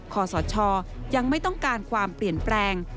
ขอสชยังไม่ต้องการความเปลี่ยนแปลง